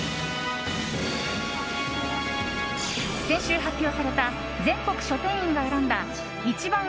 先週発表された全国書店員が選んだいちばん！